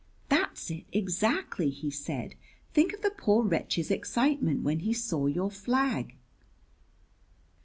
"That's it, exactly," he said. "Think of the poor wretch's excitement when he saw your flag!"